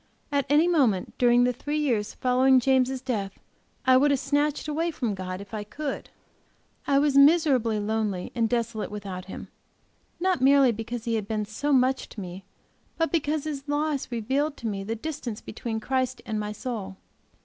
At any moment during the three years following James' death I would have snatched away from God, if I could; I was miserably lonely and desolate without him, not merely because he had been so much, to me, but because his loss revealed to me the distance between Christ and my soul.